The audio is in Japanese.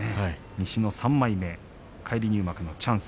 西の３枚目、返り入幕のチャンス。